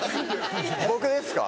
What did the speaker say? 僕ですか？